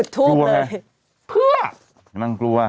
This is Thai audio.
ทูปเลยเท๊ะนางกลัว